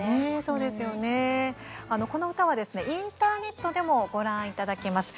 この歌はインターネットでもご覧いただけます。